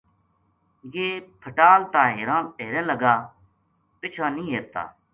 ہم پھٹال تا ہیراں لگا پچھاں نی ہیرتا